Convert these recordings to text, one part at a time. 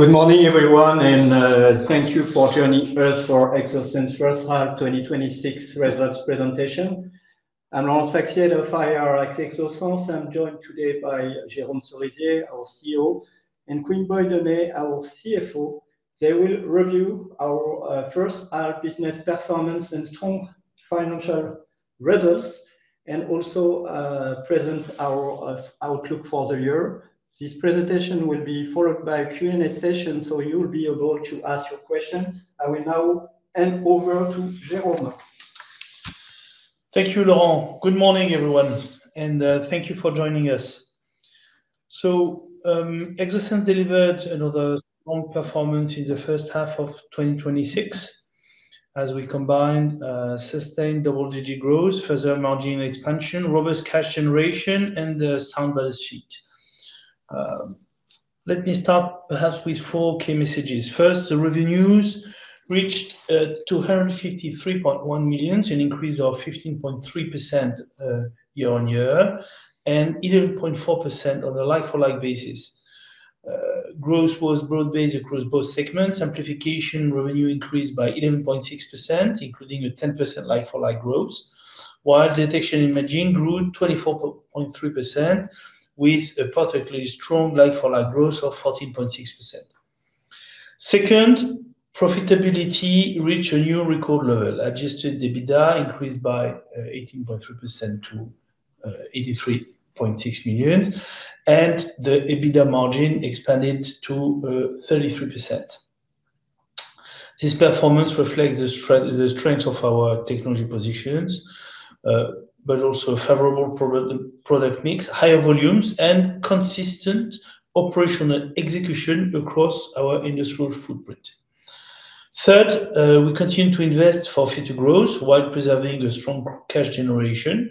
Good morning, everyone, and thank you for joining us for Exosens first half 2026 results presentation. I'm Laurent Sfaxi, Head of IR at Exosens. I'm joined today by Jérôme Cerisier, our CEO, and Quynh-Boi Demey, our CFO. They will review our first half business performance and strong financial results, and also present our outlook for the year. This presentation will be followed by a Q&A session. You'll be able to ask your question. I will now hand over to Jérôme. Thank you, Laurent. Good morning, everyone, and thank you for joining us. Exosens delivered another strong performance in the first half of 2026. As we combine sustained double-digit growth, further marginal expansion, robust cash generation, and a sound balance sheet. Let me start perhaps with four key messages. First, the revenues reached 253.1 million, an increase of 15.3% year-on-year, and 11.4% on a like-for-like basis. Growth was broad-based across both segments. Amplification revenue increased by 11.6%, including a 10% like-for-like growth, while Detection & Imaging grew 24.3% with a particularly strong like-for-like growth of 14.6%. Second, profitability reached a new record level. Adjusted EBITDA increased by 18.3% to 83.6 million, and the EBITDA margin expanded to 33%. This performance reflects the strength of our technology positions, but also a favorable product mix, higher volumes, and consistent operational execution across our industrial footprint. Third, we continue to invest for future growth while preserving a strong cash generation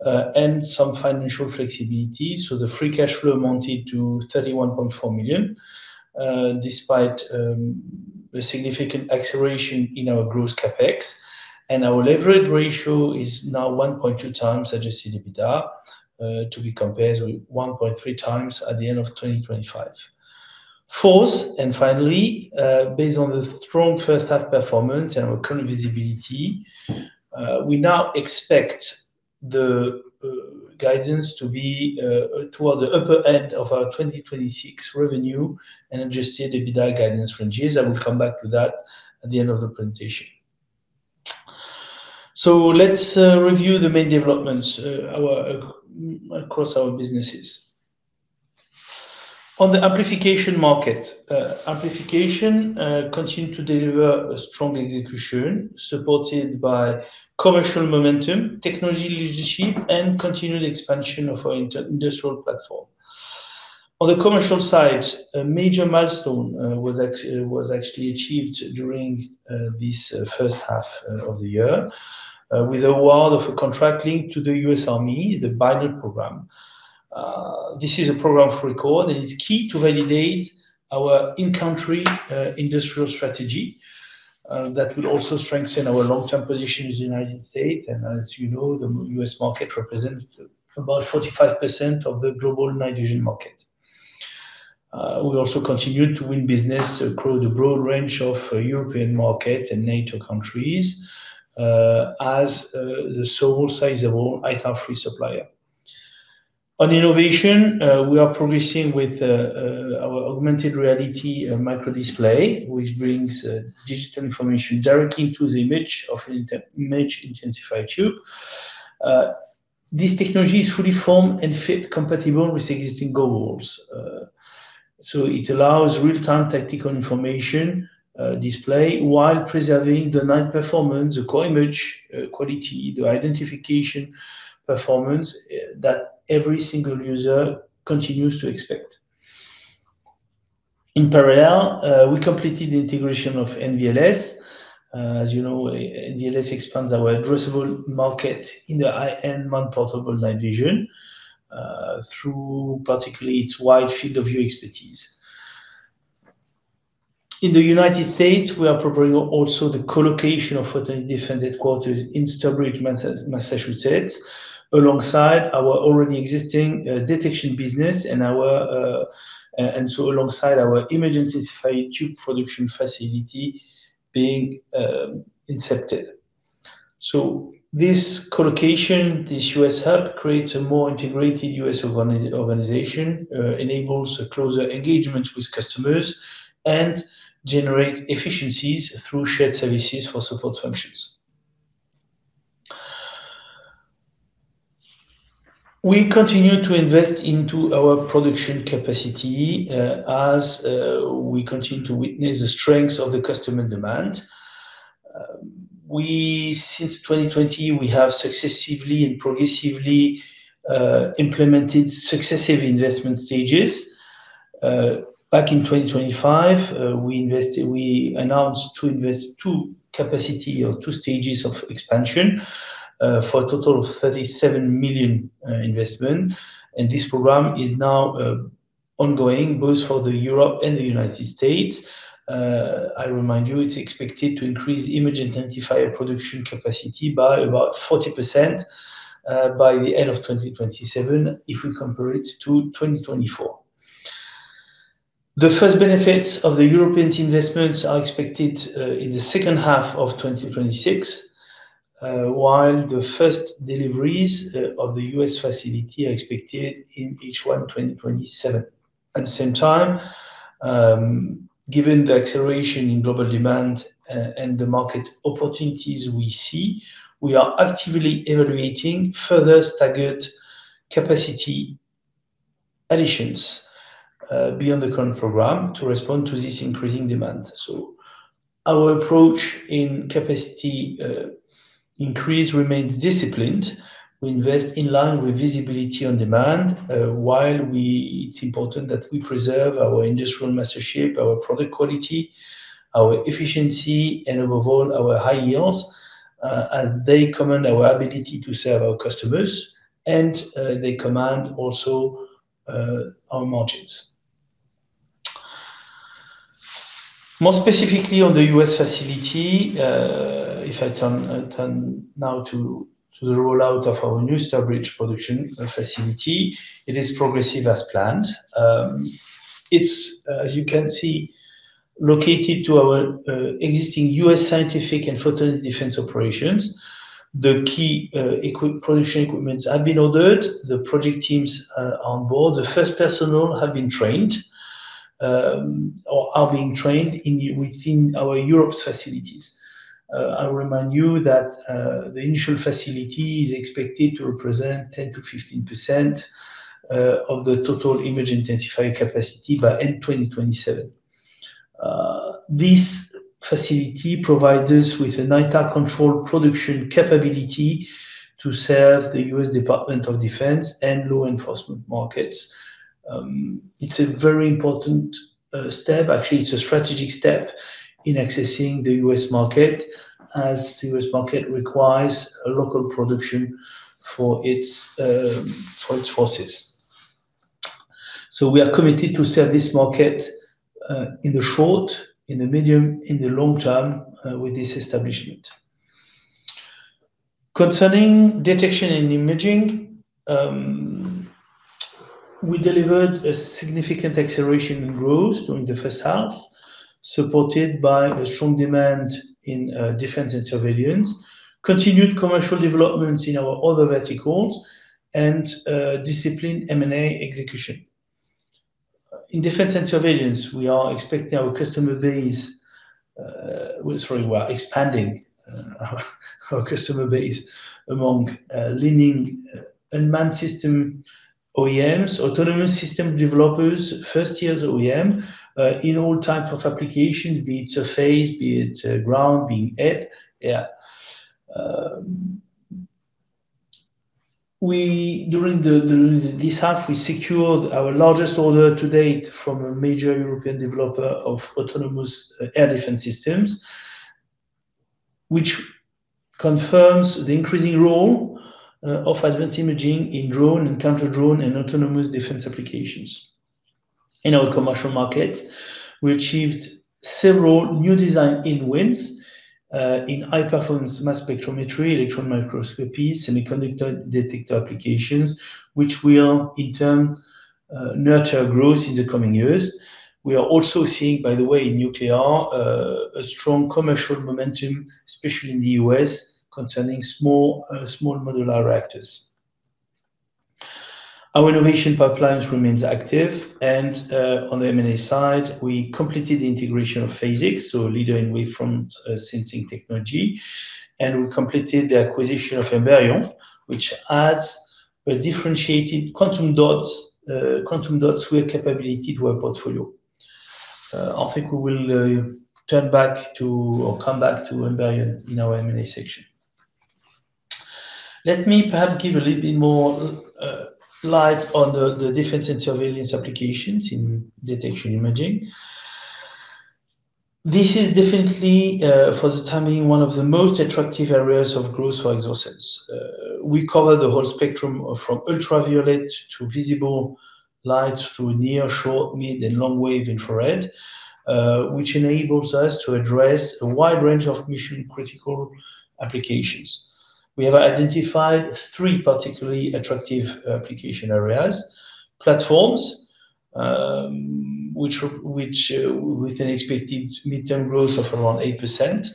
and some financial flexibility. The free cash flow amounted to 31.4 million, despite a significant acceleration in our gross CapEx. Our leverage ratio is now 1.2x adjusted EBITDA, to be compared with 1.3x at the end of 2025. Fourth, finally, based on the strong first half performance and our current visibility, we now expect the guidance to be toward the upper end of our 2026 revenue and adjusted EBITDA guidance ranges. I will come back to that at the end of the presentation. Let's review the main developments across our businesses. On the amplification market. Amplification continued to deliver a strong execution supported by commercial momentum, technology leadership, and continued expansion of our industrial platform. On the commercial side, a major milestone was actually achieved during this first half of the year with award of a contract linked to the U.S. Army, the BiNOD program. This is a program for record. It's key to validate our in-country industrial strategy that will also strengthen our long-term position in the United States. As you know, the U.S. market represents about 45% of the global night vision market. We also continued to win business across a broad range of European markets and NATO countries as the sole sizable ITAR-free supplier. On innovation, we are progressing with our augmented reality micro display, which brings digital information directly to the image of an image intensifier tube. This technology is fully form and fit compatible with existing goggles. It allows real-time tactical information display while preserving the night performance, the core image quality, the identification performance that every single user continues to expect. In parallel, we completed the integration of NVLS. As you know, NVLS expands our addressable market in the high-end man portable night vision through particularly its wide field of view expertise. In the United States we are preparing also the co-location of Photonis Defense headquarters in Sturbridge, Massachusetts, alongside our already existing detection business and alongside our image intensified tube production facility being incepted. This co-location, this U.S. hub, creates a more integrated U.S. organization, enables a closer engagement with customers, and generates efficiencies through shared services for support functions. We continue to invest into our production capacity as we continue to witness the strength of the customer demand. Since 2020, we have successively and progressively implemented successive investment stages. Back in 2025, we announced to invest two stages of expansion for a total of 37 million investment. This program is now ongoing, both for Europe and the United States. I remind you, it's expected to increase image intensifier production capacity by about 40% by the end of 2027 if we compare it to 2024. The first benefits of the European investments are expected in the second half of 2026, while the first deliveries of the U.S. facility are expected in H1 2027. At the same time, given the acceleration in global demand and the market opportunities we see, we are actively evaluating further staggered capacity additions beyond the current program to respond to this increasing demand. Our approach in capacity increase remains disciplined. We invest in line with visibility on demand, while it's important that we preserve our industrial mastership, our product quality, our efficiency, and above all, our high yields, as they command our ability to serve our customers, and they command also our margins. More specifically on the U.S. facility, if I turn now to the rollout of our new established production facility, it is progressive as planned. It's, as you can see, located to our existing U.S. Scientific and Photonis Defense operations. The key production equipments have been ordered. The project teams are on board. The first personnel have been trained or are being trained within our Europe's facilities. I remind you that the initial facility is expected to represent 10%-15% of the total image intensifier capacity by end 2027. This facility provides us with an ITAR-controlled production capability to serve the U.S. Department of Defense and law enforcement markets. It's a very important step. Actually, it's a strategic step in accessing the U.S. market, as the U.S. market requires a local production for its forces. We are committed to serve this market in the short, in the medium, in the long term with this establishment. Concerning Detection & Imaging, we delivered a significant acceleration in growth during the first half, supported by a strong demand in defense and surveillance, continued commercial developments in our other verticals, and disciplined M&A execution. In defense and surveillance, we are expanding our customer base among leading unmanned system OEMs, autonomous system developers, first-tier OEM in all types of application, be it surface, be it ground, be it air. During this half, we secured our largest order to date from a major European developer of autonomous air defense systems, which confirms the increasing role of advanced imaging in drone and counter-drone and autonomous defense applications. In our commercial market, we achieved several new design in-wins in high-performance mass spectrometry, electron microscopy, semiconductor detector applications, which will in turn nurture growth in the coming years. We are also seeing, by the way, in nuclear, a strong commercial momentum, especially in the U.S., concerning small modular reactors. Our innovation pipeline remains active. On the M&A side, we completed the integration of Phasics, a leader in wavefront sensing technology, and we completed the acquisition of Emberion, which adds a differentiated quantum dots capability to our portfolio. I think we will come back to Emberion in our M&A section. Let me perhaps give a little bit more light on the defense and surveillance applications in detection imaging. This is definitely, for the time being, one of the most attractive areas of growth for Exosens. We cover the whole spectrum from ultraviolet to visible light to near short-, mid-, and long-wave infrared, which enables us to address a wide range of mission-critical applications. We have identified three particularly attractive application areas. Platforms, with an expected midterm growth of around 8%.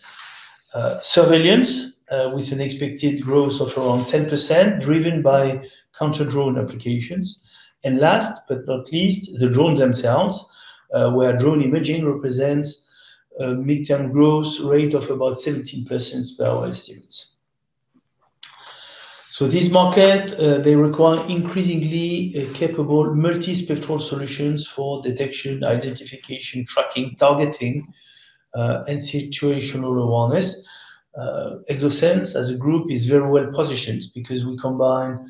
Surveillance, with an expected growth of around 10%, driven by counter-drone applications. Last but not least, the drones themselves, where drone imaging represents a midterm growth rate of about 17% per our estimates. This market, they require increasingly capable multispectral solutions for detection, identification, tracking, targeting, and situational awareness. Exosens as a group is very well positioned because we combine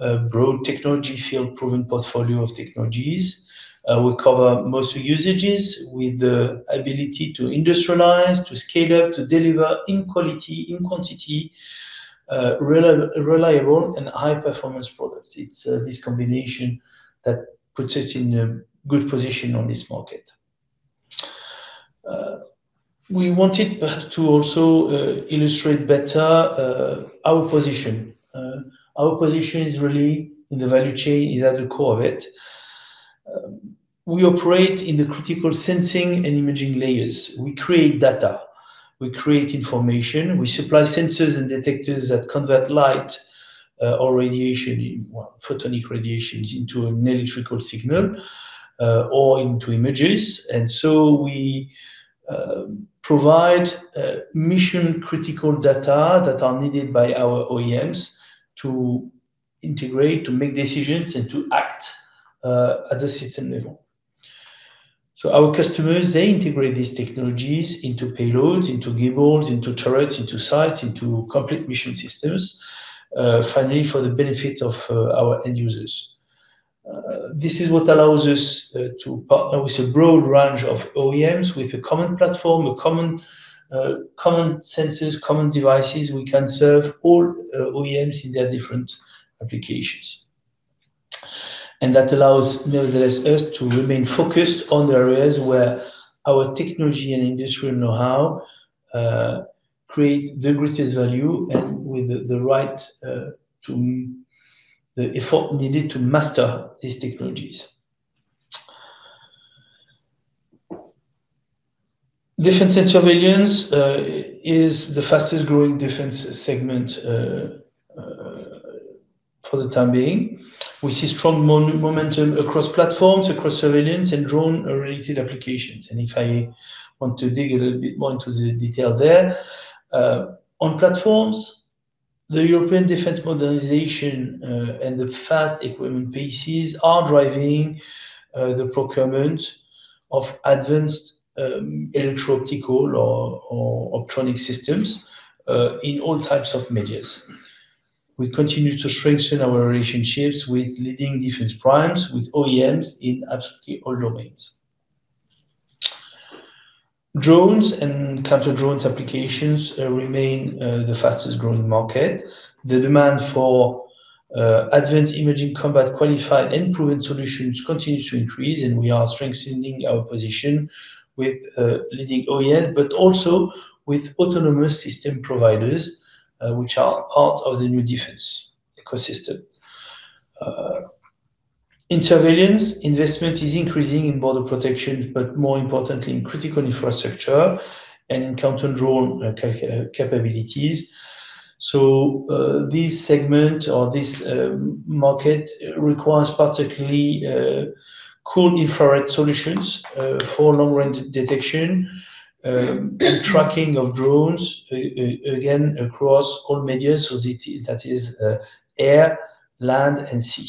a broad technology field-proven portfolio of technologies. We cover most usages with the ability to industrialize, to scale up, to deliver in quality, in quantity, reliable, and high-performance products. It's this combination that puts us in a good position on this market. We wanted to also illustrate better our position. Our position in the value chain is at the core of it. We operate in the critical sensing and imaging layers. We create data. We create information. We supply sensors and detectors that convert light or photonic radiations into an electrical signal or into images. We provide mission-critical data that are needed by our OEMs to integrate, to make decisions, and to act at the system level. Our customers, they integrate these technologies into payloads, into gimbals, into turrets, into sights, into complete mission systems, finally, for the benefit of our end users. This is what allows us to partner with a broad range of OEMs with a common platform, common sensors, common devices. We can serve all OEMs in their different applications. That allows us to remain focused on the areas where our technology and industrial know-how create the greatest value and with the effort needed to master these technologies. Defense and surveillance is the fastest-growing defense segment for the time being. We see strong momentum across platforms, across surveillance, and drone-related applications. If I want to dig a little bit more into the detail there. On platforms, the European defense modernization and the fast equipment paces are driving the procurement of advanced electro-optical or optronic systems in all types of medias. We continue to strengthen our relationships with leading defense primes, with OEMs in absolutely all domains. Drones and counter-drone applications remain the fastest-growing market. The demand for advanced imaging combat-qualified and proven solutions continues to increase. We are strengthening our position with leading OEM, also with autonomous system providers which are part of the new defense ecosystem. In surveillance, investment is increasing in border protection, but more importantly in critical infrastructure and in counter-drone capabilities. This segment or this market requires particularly cooled infrared solutions for long-range detection and tracking of drones, again, across all medias, that is air, land, and sea.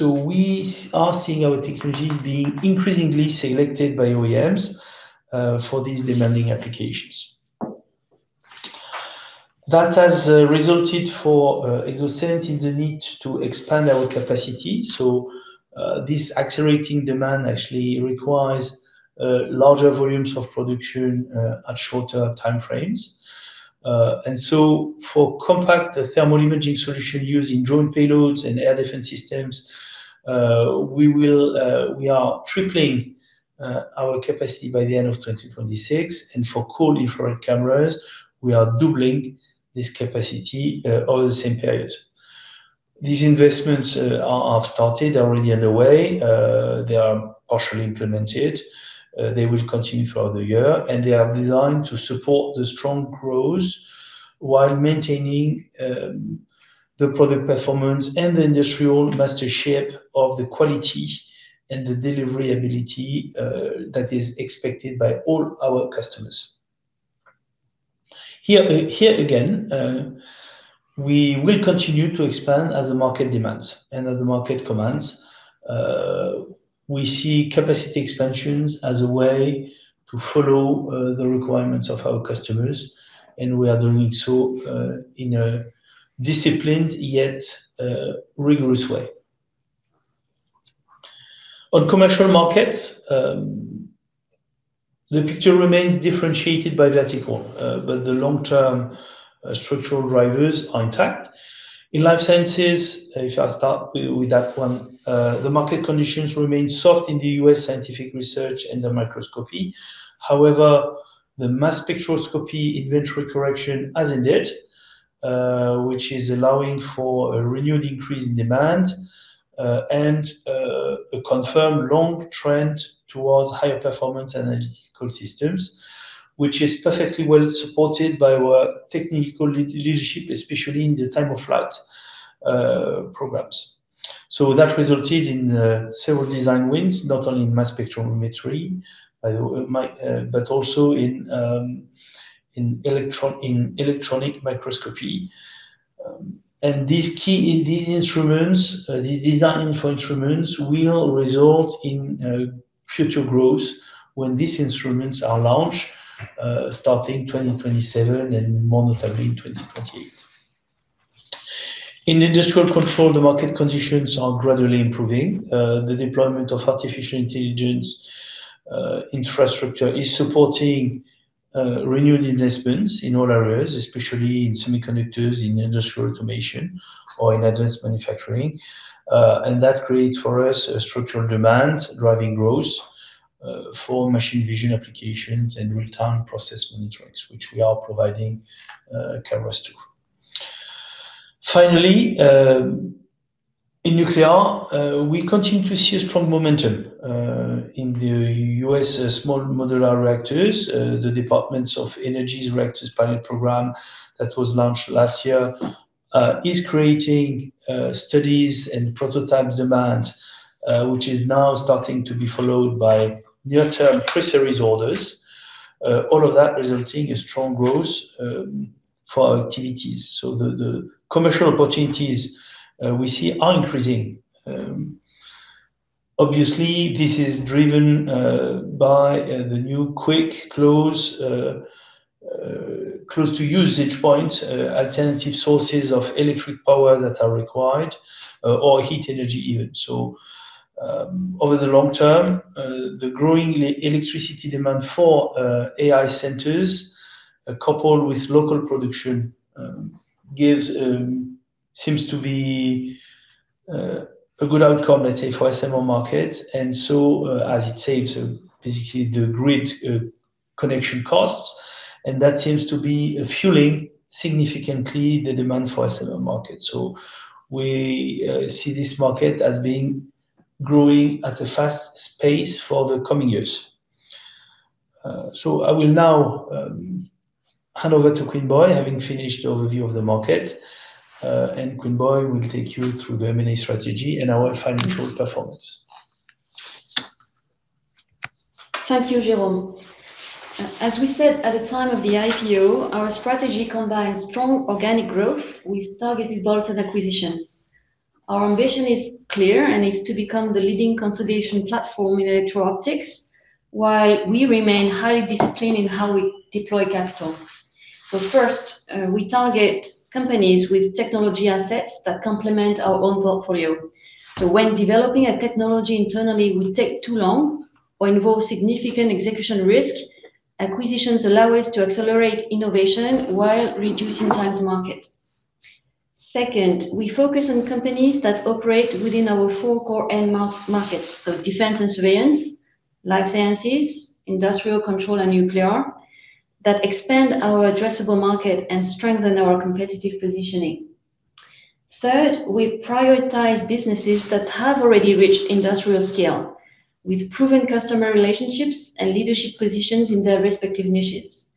We are seeing our technologies being increasingly selected by OEMs for these demanding applications. That has resulted for Exosens in the need to expand our capacity. This accelerating demand actually requires larger volumes of production at shorter time frames. For compact thermal imaging solution used in drone payloads and air defense systems, we are tripling our capacity by the end of 2026. For cooled infrared cameras, we are doubling this capacity over the same period. These investments have started. They are already underway. They are partially implemented. They will continue throughout the year, and they are designed to support the strong growth while maintaining the product performance and the industrial mastership of the quality and the delivery ability that is expected by all our customers. Here again, we will continue to expand as the market demands and as the market commands. We see capacity expansions as a way to follow the requirements of our customers, and we are doing so in a disciplined yet rigorous way. On commercial markets, the picture remains differentiated by vertical, but the long-term structural drivers are intact. In life sciences, if I start with that one, the market conditions remain soft in the U.S. scientific research and the microscopy. However, the mass spectrometry inventory correction has ended, which is allowing for a renewed increase in demand and a confirmed long trend towards higher performance analytical systems, which is perfectly well supported by our technical leadership, especially in the time-of-flight programs. That resulted in several design wins, not only in mass spectrometry but also in electron microscopy. These design-in for instruments will result in future growth when these instruments are launched, starting 2027 and more notably in 2028. In industrial control, the market conditions are gradually improving. The deployment of artificial intelligence infrastructure is supporting renewed investments in all areas, especially in semiconductors, in industrial automation, or in advanced manufacturing. That creates for us a structural demand driving growth for machine vision applications and real-time process monitoring, which we are providing cameras to. Finally, in nuclear, we continue to see a strong momentum in the U.S. small modular reactors. The Department of Energy's Reactors Pilot Program that was launched last year is creating studies and prototype demand, which is now starting to be followed by near-term pre-series orders. All of that resulting in strong growth for our activities. The commercial opportunities we see are increasing. Obviously, this is driven by the new quick close to usage point, alternative sources of electric power that are required or heat energy even. Over the long-term, the growing electricity demand for AI centers coupled with local production seems to be a good outcome, let's say, for SMR market. As it saves basically the grid connection costs, and that seems to be fueling significantly the demand for SMR market. We see this market as being growing at a fast pace for the coming years. I will now hand over to Quynh-Boi, having finished the overview of the market, and Quynh-Boi will take you through the M&A strategy and our financial performance. Thank you, Jérôme. As we said at the time of the IPO, our strategy combines strong organic growth with targeted bolt-on acquisitions. Our ambition is clear and is to become the leading consolidation platform in electro-optics while we remain highly disciplined in how we deploy capital. First, we target companies with technology assets that complement our own portfolio. When developing a technology internally will take too long or involve significant execution risk, acquisitions allow us to accelerate innovation while reducing time to market. Second, we focus on companies that operate within our four core end markets, so defense and surveillance, life sciences, industrial control, and nuclear, that expand our addressable market and strengthen our competitive positioning. Third, we prioritize businesses that have already reached industrial scale with proven customer relationships and leadership positions in their respective niches.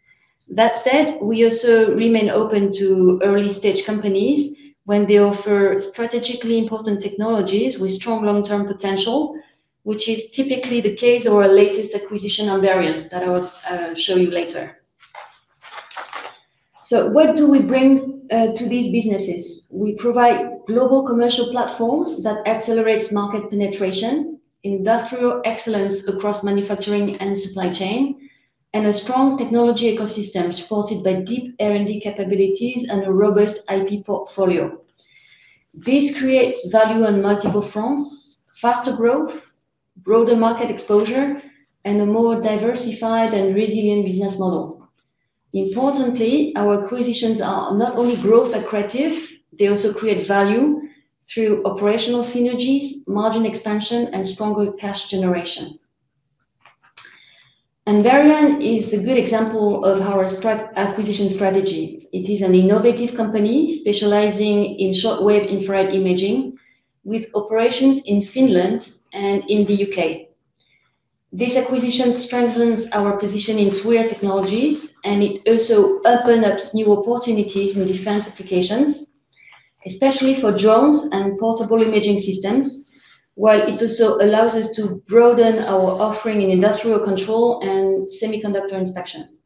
That said, we also remain open to early-stage companies when they offer strategically important technologies with strong long-term potential, which is typically the case of our latest acquisition, Emberion, that I will show you later. What do we bring to these businesses? We provide global commercial platforms that accelerate market penetration, industrial excellence across manufacturing and supply chain, and a strong technology ecosystem supported by deep R&D capabilities and a robust IP portfolio. This creates value on multiple fronts, faster growth, broader market exposure, and a more diversified and resilient business model. Importantly, our acquisitions are not only growth accretive, they also create value through operational synergies, margin expansion, and stronger cash generation. Emberion is a good example of our acquisition strategy. It is an innovative company specializing in short-wave infrared imaging with operations in Finland and in the U.K. This acquisition strengthens our position in SWIR technologies, and it also opens up new opportunities in defense applications, especially for drones and portable imaging systems, while it also allows us to broaden our offering in industrial control and semiconductor inspection.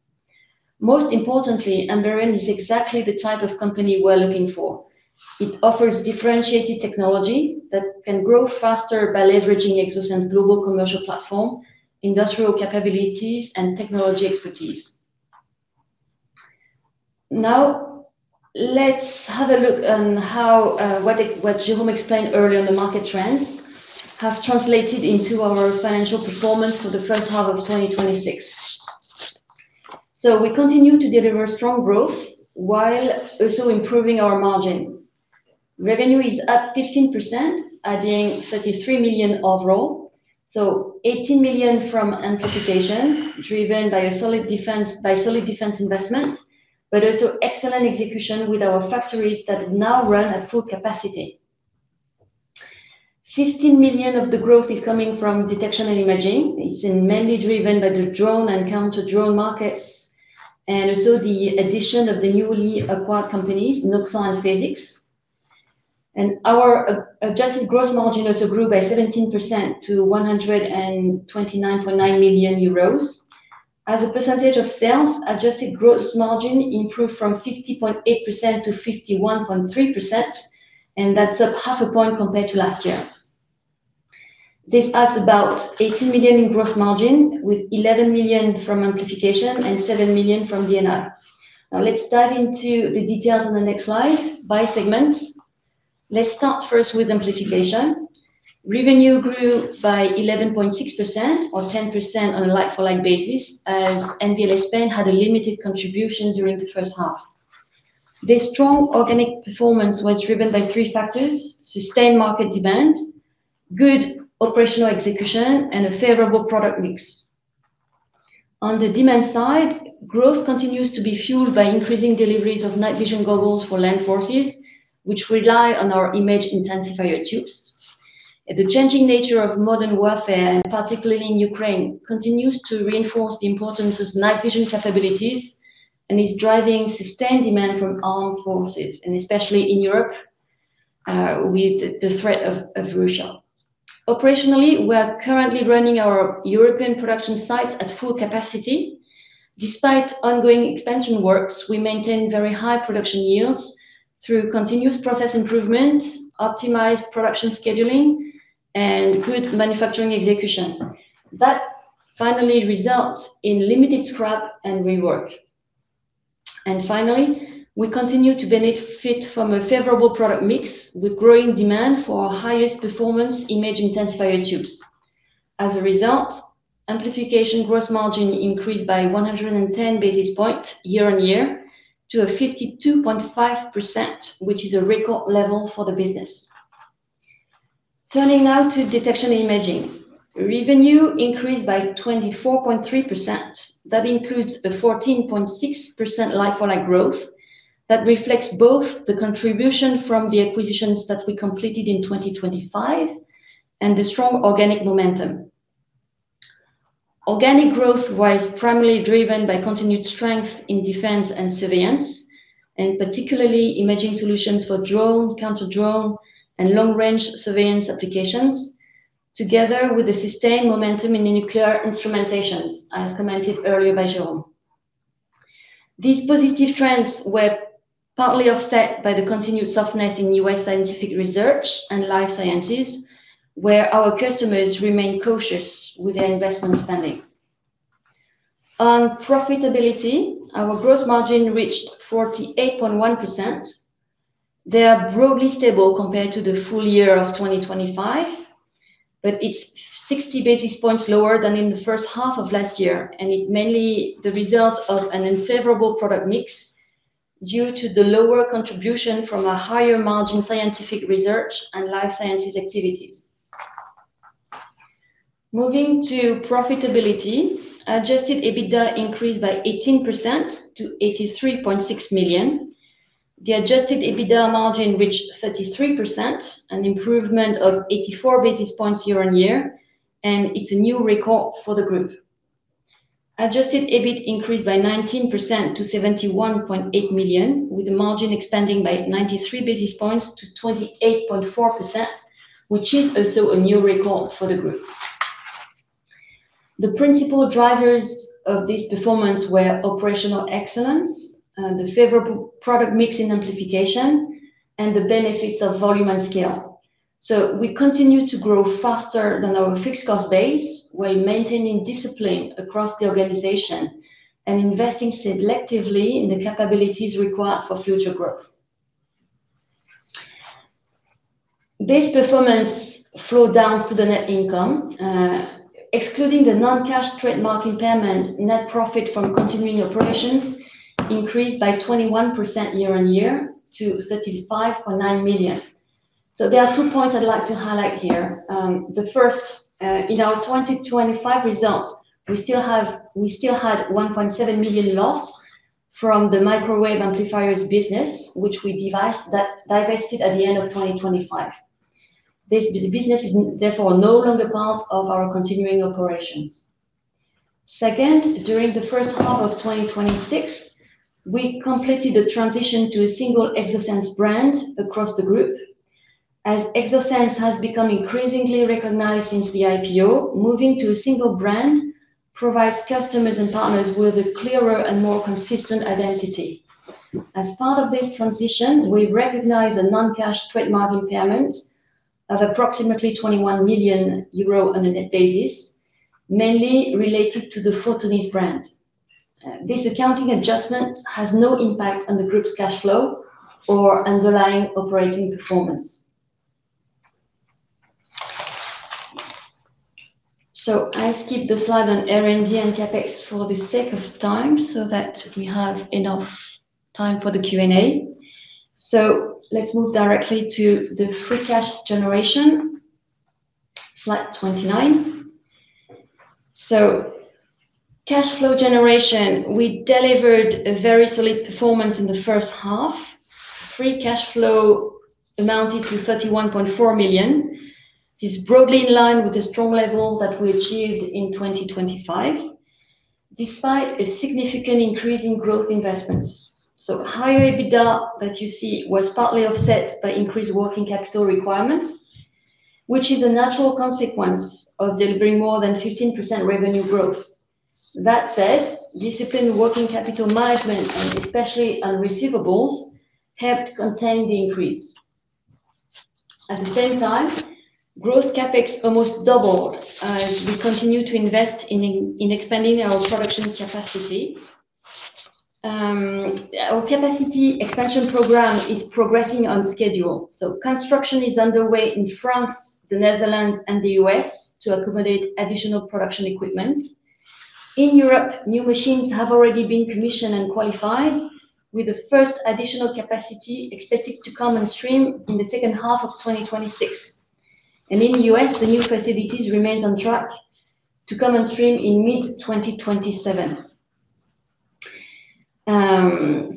Most importantly, Emberion is exactly the type of company we're looking for. It offers differentiated technology that can grow faster by leveraging Exosens' global commercial platform, industrial capabilities, and technology expertise. Let's have a look on what Jérôme explained earlier on the market trends have translated into our financial performance for the first half of 2026. We continue to deliver strong growth while also improving our margin. Revenue is up 15%, adding 33 million overall, so 18 million from amplification, driven by solid defense investment, but also excellent execution with our factories that now run at full capacity. 15 million of the growth is coming from Detection & Imaging. It's mainly driven by the drone and counter-drone markets, and also the addition of the newly acquired companies, Noxant and Phasics. Our adjusted gross margin also grew by 17% to 129.9 million euros. As a percentage of sales, adjusted gross margin improved from 50.8% to 51.3%, and that's up 0.5 point compared to last year. This adds about 18 million in gross margin, with 11 million from amplification and 7 million from D&I. Let's dive into the details on the next slide by segment. Let's start first with amplification. Revenue grew by 11.6% or 10% on a like-for-like basis, as NVLS Spain had a limited contribution during the first half. This strong organic performance was driven by three factors: sustained market demand, good operational execution, and a favorable product mix. On the demand side, growth continues to be fueled by increasing deliveries of night vision goggles for land forces, which rely on our image intensifier tubes. The changing nature of modern warfare, and particularly in Ukraine, continues to reinforce the importance of night vision capabilities and is driving sustained demand from armed forces, and especially in Europe, with the threat of Russia. Operationally, we are currently running our European production sites at full capacity. Despite ongoing expansion works, we maintain very high production yields through continuous process improvements, optimized production scheduling, and good manufacturing execution. That finally results in limited scrap and rework. Finally, we continue to benefit from a favorable product mix with growing demand for our highest performance image intensifier tubes. As a result, amplification gross margin increased by 110 basis points year-on-year to a 52.5%, which is a record level for the business. Turning now to Detection & Imaging. Revenue increased by 24.3%. That includes a 14.6% like-for-like growth that reflects both the contribution from the acquisitions that we completed in 2025 and the strong organic momentum. Organic growth was primarily driven by continued strength in defense and surveillance, and particularly imaging solutions for drone, counter-drone, and long-range surveillance applications, together with the sustained momentum in the nuclear instrumentations, as commented earlier by Jérôme. These positive trends were partly offset by the continued softness in U.S. scientific research and life sciences, where our customers remain cautious with their investment spending. On profitability, our gross margin reached 48.1%. They are broadly stable compared to the full-year of 2025, but it's 60 basis points lower than in the first half of last year, and it's mainly the result of an unfavorable product mix due to the lower contribution from a higher margin scientific research and life sciences activities. Moving to profitability, adjusted EBITDA increased by 18% to 83.6 million. The adjusted EBITDA margin reached 33%, an improvement of 84 basis points year-on-year, and it's a new record for the group. Adjusted EBIT increased by 19% to 71.8 million, with the margin expanding by 93 basis points to 28.4%, which is also a new record for the group. The principal drivers of this performance were operational excellence, the favorable product mix in amplification, and the benefits of volume and scale. We continue to grow faster than our fixed cost base while maintaining discipline across the organization and investing selectively in the capabilities required for future growth. This performance flowed down to the net income. Excluding the non-cash trademark impairment, net profit from continuing operations increased by 21% year-on-year to 35.9 million. There are two points I'd like to highlight here. The first, in our 2025 results, we still had 1.7 million loss from the microwave amplifiers business, which we divested at the end of 2025. This business is therefore no longer part of our continuing operations. Second, during the first half of 2026, we completed the transition to a single Exosens brand across the group. As Exosens has become increasingly recognized since the IPO, moving to a single brand provides customers and partners with a clearer and more consistent identity. As part of this transition, we recognize a non-cash trademark impairment of approximately 21 million euros on a net basis, mainly related to the Photonis brand. This accounting adjustment has no impact on the group's cash flow or underlying operating performance. I skip the slide on R&D and CapEx for the sake of time so that we have enough time for the Q&A. Let's move directly to the free cash generation. Slide 29. Cash flow generation, we delivered a very solid performance in the first half. Free cash flow amounted to 31.4 million. This is broadly in line with the strong level that we achieved in 2025, despite a significant increase in growth investments. Higher EBITDA that you see was partly offset by increased working capital requirements, which is a natural consequence of delivering more than 15% revenue growth. That said, disciplined working capital management, and especially on receivables, helped contain the increase. At the same time, growth CapEx almost doubled as we continue to invest in expanding our production capacity. Our capacity expansion program is progressing on schedule. Construction is underway in France, the Netherlands, and the U.S. to accommodate additional production equipment. In Europe, new machines have already been commissioned and qualified, with the first additional capacity expected to come on stream in the second half of 2026. In the U.S., the new facilities remains on track to come on stream in mid-2027.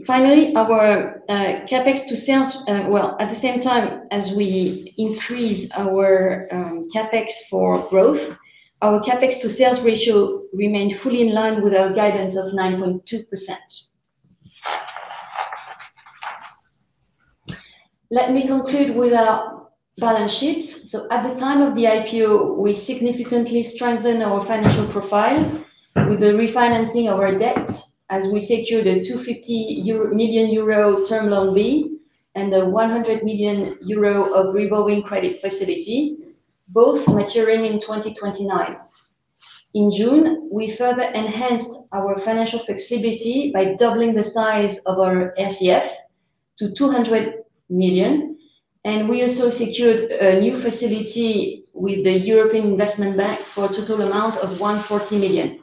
Finally, our CapEx to sales. At the same time as we increase our CapEx for growth, our CapEx to sales ratio remained fully in line with our guidance of 9.2%. Let me conclude with our balance sheet. At the time of the IPO, we significantly strengthened our financial profile with the refinancing of our debt as we secured a 250 million euro term loan B and a 100 million euro of revolving credit facility, both maturing in 2029. In June, we further enhanced our financial flexibility by doubling the size of our RCF to 200 million, and we also secured a new facility with the European Investment Bank for a total amount of 140 million.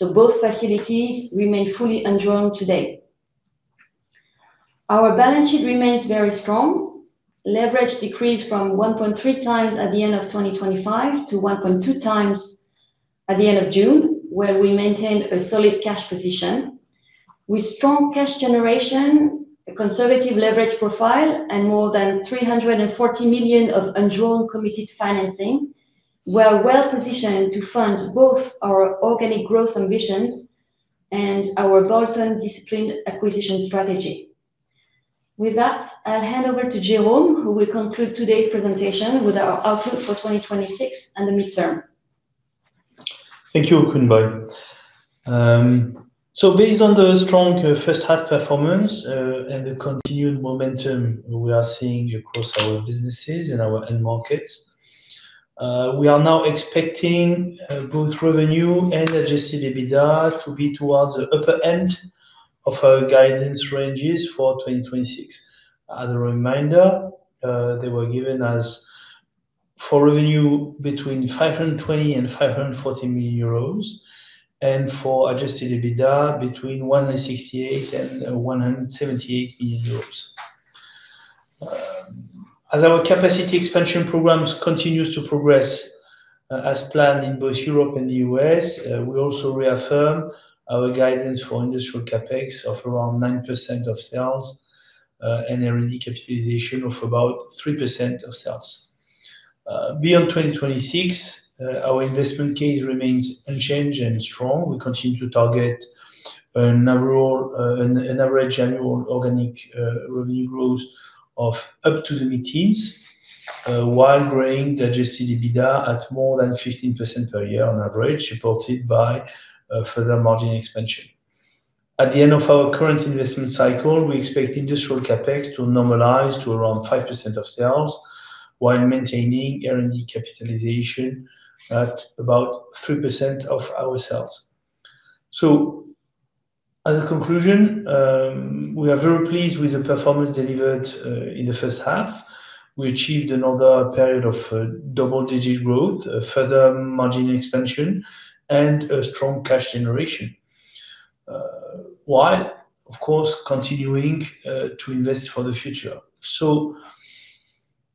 Both facilities remain fully undrawn today. Our balance sheet remains very strong. Leverage decreased from 1.3x at the end of 2025 to 1.2x at the end of June, where we maintained a solid cash position. With strong cash generation, a conservative leverage profile, and more than 340 million of undrawn committed financing, we are well-positioned to fund both our organic growth ambitions and our bolt-on disciplined acquisition strategy. With that, I'll hand over to Jérôme, who will conclude today's presentation with our outlook for 2026 and the midterm. Thank you, Quynh-Boi. Based on the strong first half performance and the continued momentum we are seeing across our businesses and our end markets, we are now expecting both revenue and adjusted EBITDA to be towards the upper end of our guidance ranges for 2026. As a reminder, they were given as for revenue between 520 million and 540 million euros, and for adjusted EBITDA between 168 million and 178 million euros. As our capacity expansion programs continues to progress as planned in both Europe and the U.S., we also reaffirm our guidance for industrial CapEx of around 9% of sales, and R&D capitalization of about 3% of sales. Beyond 2026, our investment case remains unchanged and strong. We continue to target an average annual organic revenue growth of up to the mid-teens, while growing adjusted EBITDA at more than 15% per year on average, supported by further margin expansion. At the end of our current investment cycle, we expect industrial CapEx to normalize to around 5% of sales while maintaining R&D capitalization at about 3% of our sales. As a conclusion, we are very pleased with the performance delivered in the first half. We achieved another period of double-digit growth, a further margin expansion, and a strong cash generation, while of course continuing to invest for the future.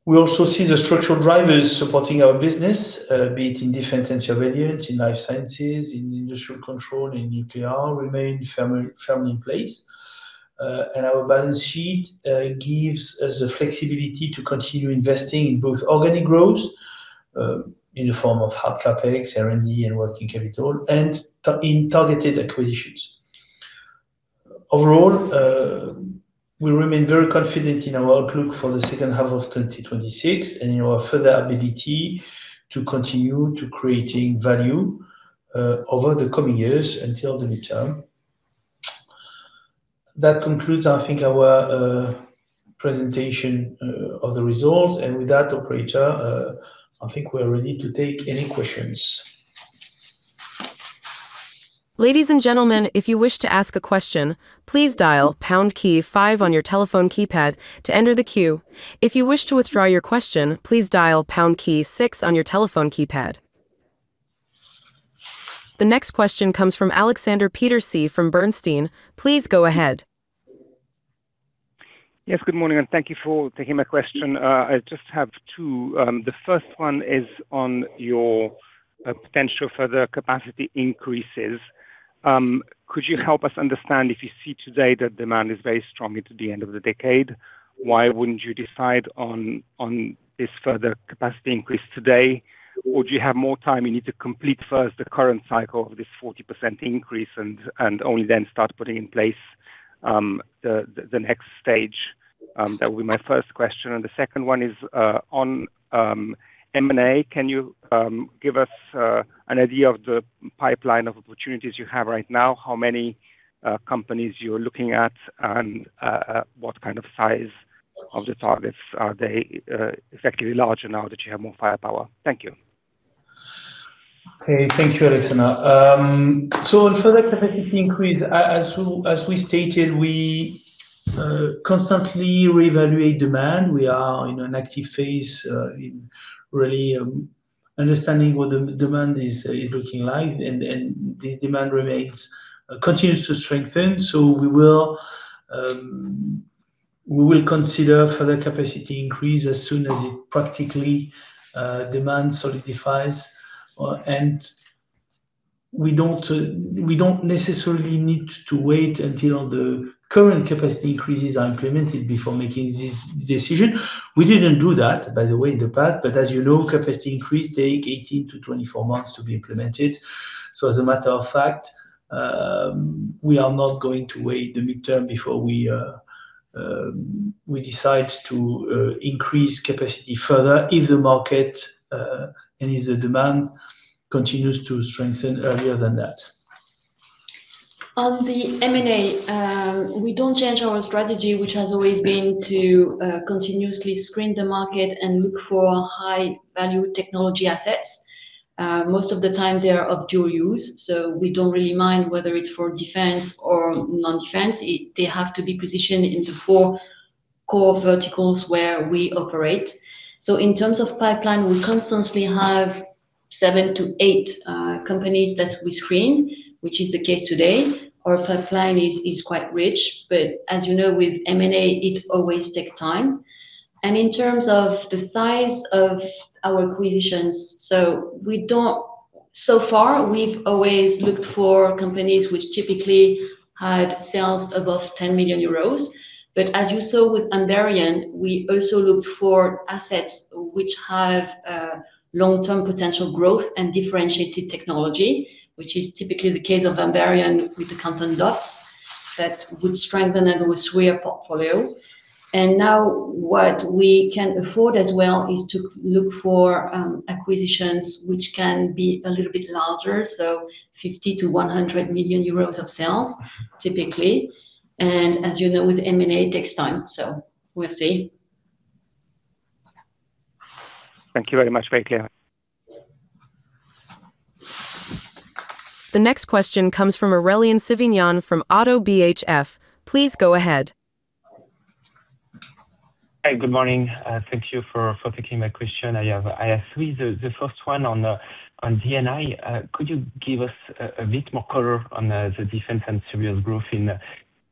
We also see the structural drivers supporting our business, be it in defense and surveillance, in life sciences, in industrial control, in nuclear, remain firmly in place. Our balance sheet gives us the flexibility to continue investing in both organic growth, in the form of hard CapEx, R&D, and working capital, and in targeted acquisitions. Overall, we remain very confident in our outlook for the second half of 2026 and in our further ability to continue to creating value over the coming years until the midterm. That concludes, I think, our presentation of the results. With that, operator, I think we're ready to take any questions. Ladies and gentlemen, if you wish to ask a question, please dial pound key five on your telephone keypad to enter the queue. If you wish to withdraw your question, please dial pound key six on your telephone keypad. The next question comes from Aleksander Peterc from Bernstein. Please go ahead. Yes. Good morning, and thank you for taking my question. I just have two. The first one is on your potential further capacity increases. Could you help us understand if you see today that demand is very strong into the end of the decade, why wouldn't you decide on this further capacity increase today? Or do you have more time you need to complete first the current cycle of this 40% increase and only then start putting in place the next stage? That would be my first question. The second one is on M&A. Can you give us an idea of the pipeline of opportunities you have right now? How many companies you are looking at, what kind of size of the targets? Are they effectively larger now that you have more firepower? Thank you. Okay. Thank you, Aleksander. On further capacity increase, as we stated, we constantly reevaluate demand. We are in an active phase in really understanding what the demand is looking like, and the demand continues to strengthen. We will consider further capacity increase as soon as it practically demands solidifies. We don't necessarily need to wait until the current capacity increases are implemented before making this decision. We didn't do that, by the way, in the past, but as you know, capacity increase take 18-24 months to be implemented. As a matter of fact, we are not going to wait the midterm before we decide to increase capacity further if the market and if the demand continues to strengthen earlier than that. On the M&A, we don't change our strategy, which has always been to continuously screen the market and look for high-value technology assets. Most of the time they are of dual use, so we don't really mind whether it's for defense or non-defense. They have to be positioned in the four core verticals where we operate. In terms of pipeline, we constantly have seven to eight companies that we screen, which is the case today. Our pipeline is quite rich, as you know, with M&A, it always take time. In terms of the size of our acquisitions, so far we've always looked for companies which typically had sales above 10 million euros. As you saw with Emberion, we also looked for assets which have long-term potential growth and differentiated technology, which is typically the case of Emberion with the quantum dots that would strengthen and would sway our portfolio. Now what we can afford as well is to look for acquisitions which can be a little bit larger. 50 million-100 million euros of sales, typically. As you know, with M&A, it takes time, so we'll see. Thank you very much. Very clear. The next question comes from Aurélien Sivignon from ODDO BHF. Please go ahead. Hi. Good morning. Thank you for taking my question. I have three. The first one on D&I. Could you give us a bit more color on the defense and civilian growth in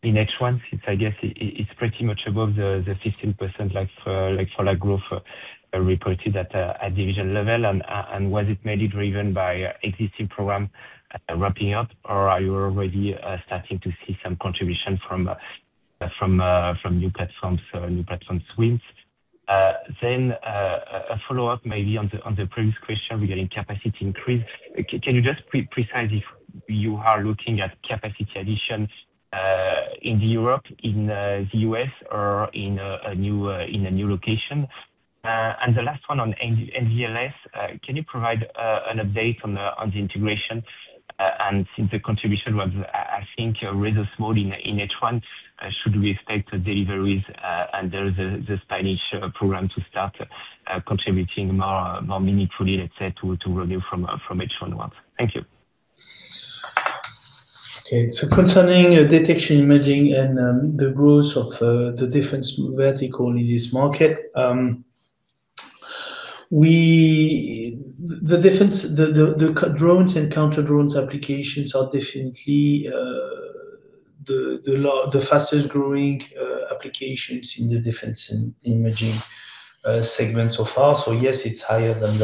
H1, since I guess it's pretty much above the 15% like-for-like growth reported at division level? Was it mainly driven by existing program ramping-up or are you already starting to see some contribution from new platforms wins? A follow-up maybe on the previous question regarding capacity increase. Can you just precise if you are looking at capacity additions in Europe, in the U.S. or in a new location? The last one on NVLS. Can you provide an update on the integration? Since the contribution was, I think, rather small in H1, should we expect the deliveries under the Spanish program to start contributing more meaningfully, let's say, to revenue from H1 onwards? Thank you. Concerning Detection & Imaging and the growth of the defense vertical in this market, the drones and counter drones applications are definitely the fastest-growing applications in the Defense & Imaging segment so far. Yes, it is higher than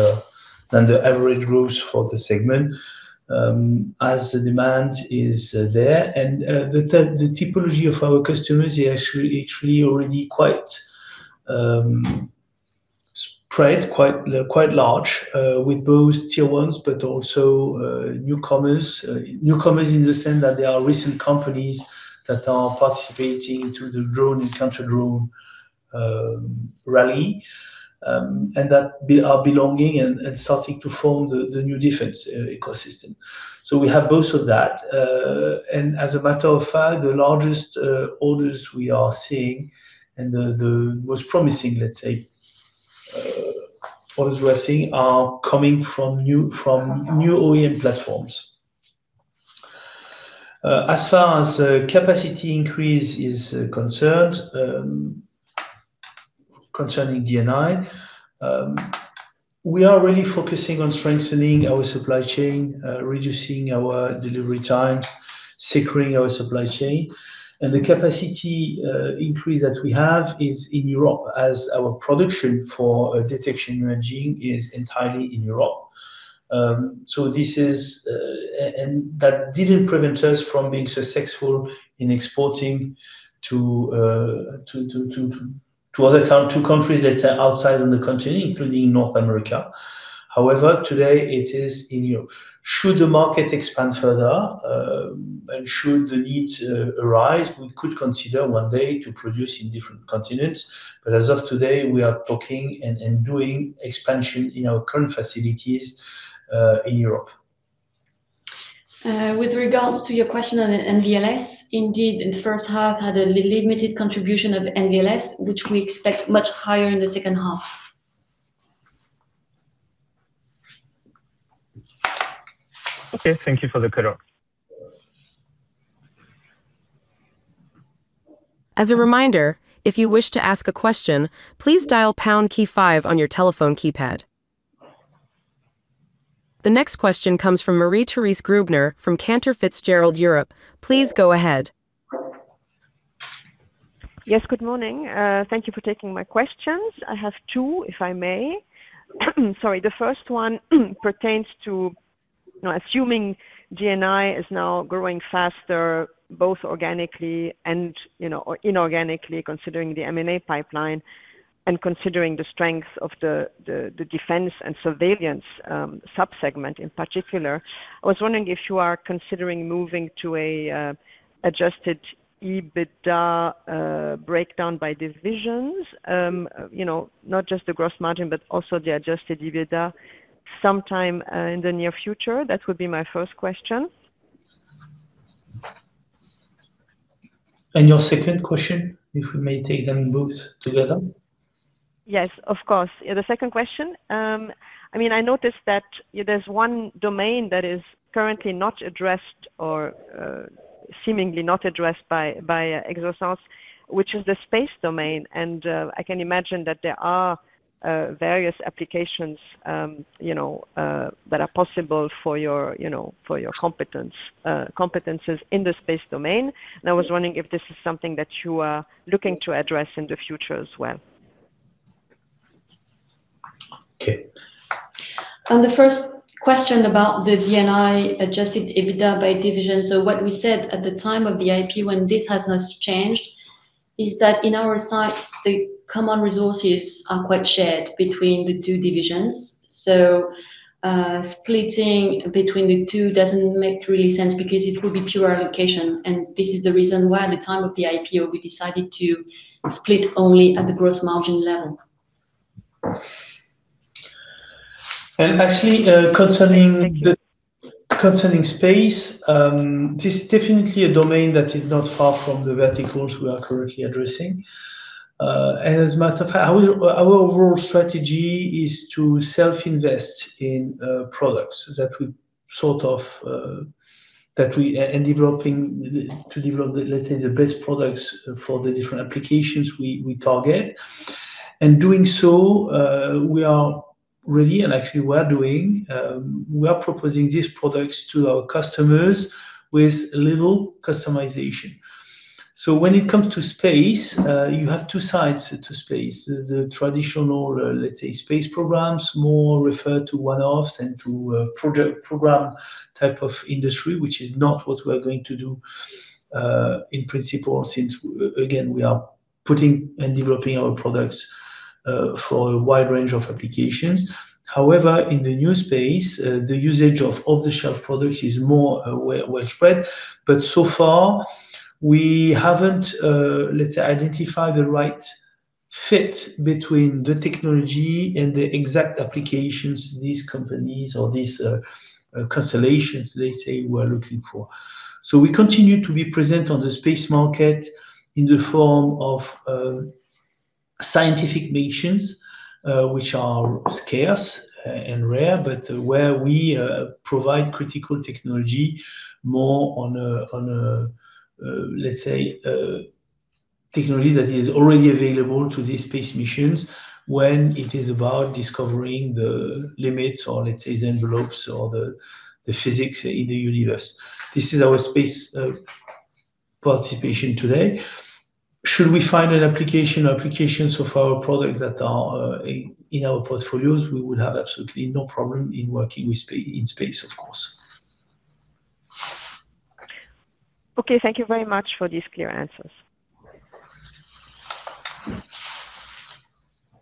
the average growth for the segment, as the demand is there. The typology of our customers is actually already quite spread, quite large, with both Tier 1s, but also newcomers. Newcomers in the sense that they are recent companies that are participating into the drone and counter drone rally, and that are belonging and starting to form the new defense ecosystem. We have both of that. As a matter of fact, the largest orders we are seeing and the most promising, let's say, orders we are seeing are coming from new OEM platforms. As far as capacity increase is concerned, concerning D&I, we are really focusing on strengthening our supply chain, reducing our delivery times, securing our supply chain. The capacity increase that we have is in Europe as our production for Detection & Imaging is entirely in Europe. That did not prevent us from being successful in exporting to countries that are outside of the continent, including North America. However, today it is in Europe. Should the market expand further, and should the need arise, we could consider one day to produce in different continents. As of today, we are talking and doing expansion in our current facilities in Europe. With regards to your question on NVLS, indeed, in the first half had a limited contribution of NVLS, which we expect much higher in the second half. Okay. Thank you for the color. As a reminder, if you wish to ask a question, please dial pound key five on your telephone keypad. The next question comes from Marie-Thérèse Grübner from Cantor Fitzgerald Europe. Please go ahead. Yes. Good morning. Thank you for taking my questions. I have two, if I may. Sorry. The first one pertains to assuming D&I is now growing faster, both organically and inorganically, considering the M&A pipeline and considering the strength of the defense and surveillance sub-segment in particular. I was wondering if you are considering moving to an adjusted EBITDA breakdown by divisions, not just the gross margin, but also the adjusted EBITDA sometime in the near future. That would be my first question. Your second question, if we may take them both together. Yes, of course. The second question. I noticed that there's one domain that is currently not addressed or seemingly not addressed by Exosens, which is the space domain. I can imagine that there are various applications that are possible for your competencies in the space domain. I was wondering if this is something that you are looking to address in the future as well. Okay. On the first question about the D&I adjusted EBITDA by division. What we said at the time of the IPO, when this has not changed, is that in our sites, the common resources are quite shared between the two divisions. Splitting between the two doesn't make really sense because it will be pure allocation, this is the reason why at the time of the IPO, we decided to split only at the gross margin level. Actually, concerning space, this is definitely a domain that is not far from the verticals we are currently addressing. As a matter of fact, our overall strategy is to self-invest in products and to develop, let's say, the best products for the different applications we target. Doing so, we are ready, and actually we are doing, we are proposing these products to our customers with little customization. When it comes to space, you have two sides to space. The traditional, let's say, space programs, more referred to one-offs and to a program type of industry, which is not what we are going to do in principle, since, again, we are putting and developing our products for a wide range of applications. However, in the new space, the usage of off-the-shelf products is more widespread, but so far we haven't, let's say, identified the right fit between the technology and the exact applications these companies or these constellations, they say we're looking for. We continue to be present on the space market in the form of scientific missions, which are scarce and rare, but where we provide critical technology more on a, let's say, technology that is already available to these space missions when it is about discovering the limits or let's say, the envelopes or the physics in the universe. This is our space participation today. Should we find an application or applications of our products that are in our portfolios, we would have absolutely no problem in working in space, of course. Okay. Thank you very much for these clear answers.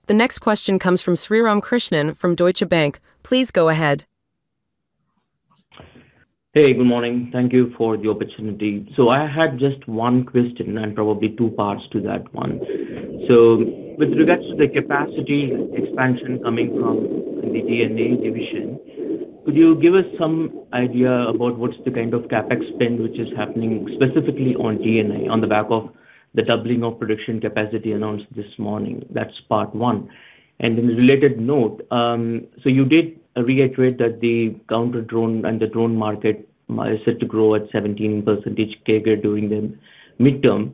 The next question comes from Sriram Krishnan from Deutsche Bank. Please go ahead. Hey, good morning. Thank you for the opportunity. I had just one question and probably two parts to that one. With regards to the capacity expansion coming from the D&I division, could you give us some idea about what's the kind of CapEx spend which is happening specifically on D&I on the back of the doubling of production capacity announced this morning? That's part one. The related note, you did reiterate that the counter-drone and the drone market is set to grow at 17% CAGR during the midterm.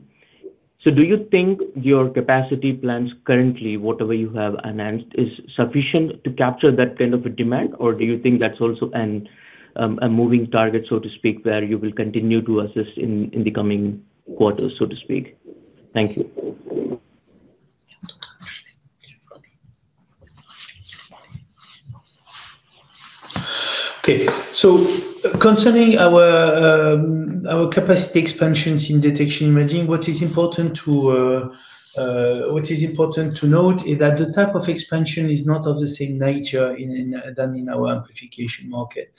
Do you think your capacity plans currently, whatever you have announced, is sufficient to capture that kind of a demand, or do you think that's also a moving target, so to speak, where you will continue to assist in the coming quarters, so to speak? Thank you. Okay. Concerning our capacity expansions in Detection & Imaging, what is important to note is that the type of expansion is not of the same nature than in our amplification market.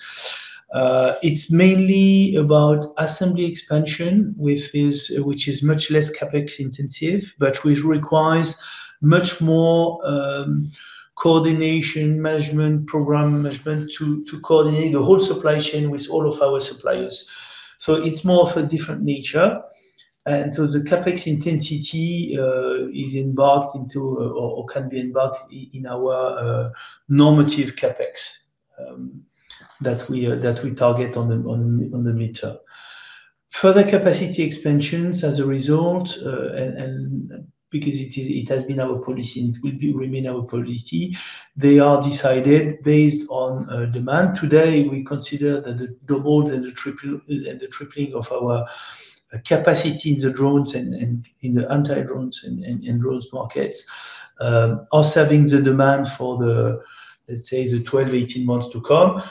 It's mainly about assembly expansion, which is much less CapEx-intensive, but which requires much more coordination, management, program management to coordinate the whole supply chain with all of our suppliers. It's more of a different nature. The CapEx intensity is embarked into or can be embarked in our normative CapEx that we target on the meter. Further capacity expansions as a result, and because it has been our policy and it will remain our policy, they are decided based on demand. Today, we consider that the double and the tripling of our capacity in the drones and in the anti-drones and drones markets are serving the demand for the, let's say, the 12-18 months to come.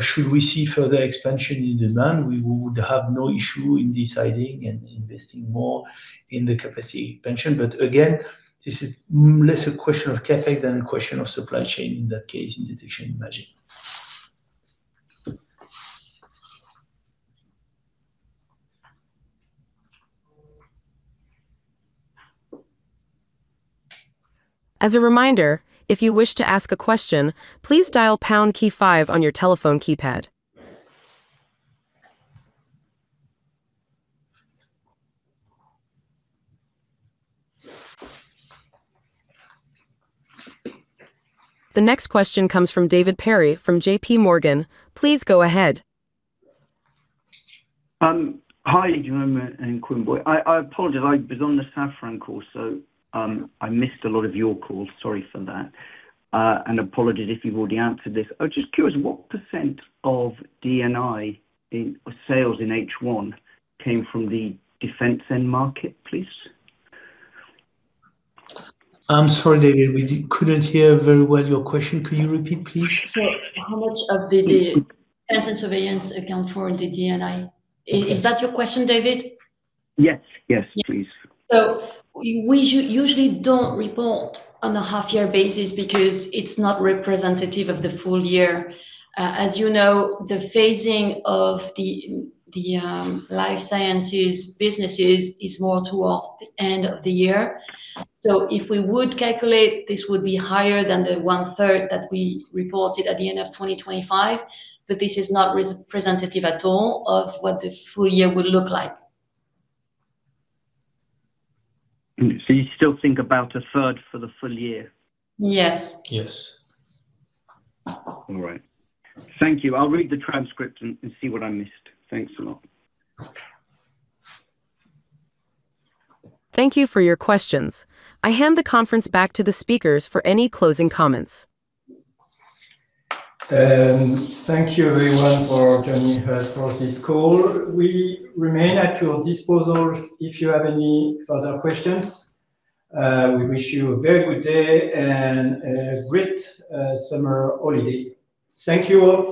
Should we see further expansion in demand, we would have no issue in deciding and investing more in the capacity expansion. Again, this is less a question of CapEx than a question of supply chain, in that case, in Detection & Imaging. As a reminder, if you wish to ask a question, please dial pound key five on your telephone keypad. The next question comes from David Perry from JPMorgan. Please go ahead. Hi, Jérôme and Quynh-Boi. I apologize, I was on the Safran call, I missed a lot of your call. Sorry for that. Apologies if you've already answered this. I was just curious, what percent of D&I sales in H1 came from the defense end-market, please? I'm sorry, David, we couldn't hear very well your question. Could you repeat, please? How much of the defense and surveillance account for the D&I? Is that your question, David? Yes, please. We usually don't report on a half-year basis because it's not representative of the full-year. As you know, the phasing of the life sciences businesses is more towards the end of the year. If we would calculate, this would be higher than the one-third that we reported at the end of 2025, but this is not representative at all of what the full-year would look like. You still think about a third for the full-year? Yes. Yes. All right. Thank you. I'll read the transcript and see what I missed. Thanks a lot. Thank you for your questions. I hand the conference back to the speakers for any closing comments. Thank you everyone for joining us for this call. We remain at your disposal if you have any further questions. We wish you a very good day and a great summer holiday. Thank you all.